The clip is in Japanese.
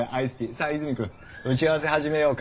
さあ泉くん打ち合わせ始めようか。